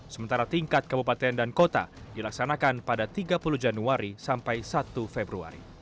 sementara tingkat kabupaten dan kota dilaksanakan pada tiga puluh januari sampai satu februari